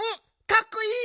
かっこいい！